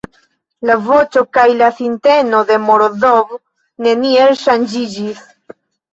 La voĉo kaj la sintenado de Morozov neniel ŝanĝiĝis.